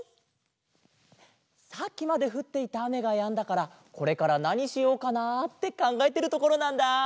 さっきまでふっていたあめがやんだからこれからなにしようかなあってかんがえてるところなんだあ。